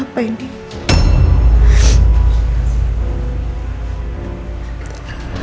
aku mau denger